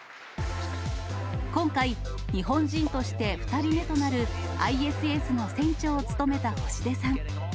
今回、日本人として２人目となるＩＳＳの船長を務めた星出さん。